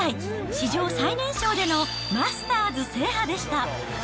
史上最年少でのマスターズ制覇でした。